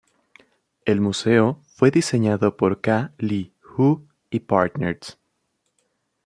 El museo fue diseñado por Kha Le-Huu y Partners.